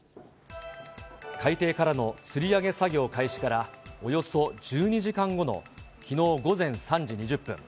海底からのつり上げ作業開始からおよそ１２時間後のきのう午前３時２０分。